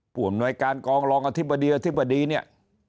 ผู้อำนวยการกองรองอธิบดีอธิบดีเนี่ย